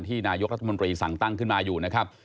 นายกรัฐมนตรีสั่งตั้งขึ้นมาอยู่นะครับ